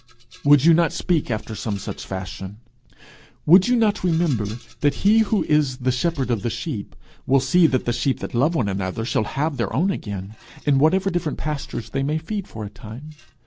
Would you not speak after some such fashion? Would you not remember that he who is the shepherd of the sheep will see that the sheep that love one another shall have their own again, in whatever different pastures they may feed for a time?